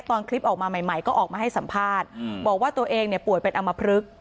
ตอนคลิปออกมาใหม่ก็ออกมาให้สัมภาษณ์บอกว่าตัวเองเนี่ยป่วยเป็นอำมพลึก